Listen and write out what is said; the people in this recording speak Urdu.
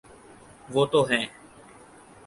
وہ تو ہیں۔